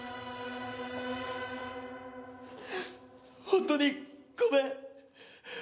本当にごめん！